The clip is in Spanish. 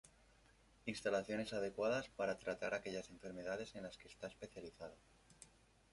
Instalaciones adecuadas para tratar aquellas enfermedades en las que está especializado.